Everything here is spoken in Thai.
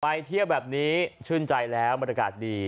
ไปเที่ยวแบบนี้ชื่นใจแล้วบรรยากาศดี